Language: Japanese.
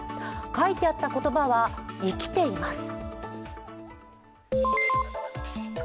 書いてあった言葉は「生きています」